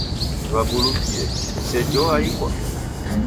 Wabulukie, seji oaikwa!